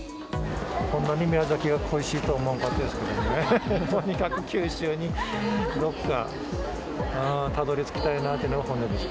こんなに宮崎が恋しいとは思わなかったですけどね、とにかく九州にどっか、たどりつきたいなというのが本音です